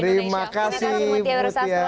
terima kasih butia